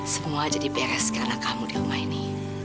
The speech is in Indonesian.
semua jadi beres karena kamu di rumah ini